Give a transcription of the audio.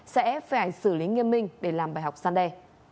sẽ phải xử lý nghiêm minh để làm bài học san đe